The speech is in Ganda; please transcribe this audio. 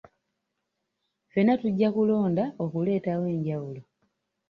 Ffenna tujja kulonda okuleetawo enjawulo.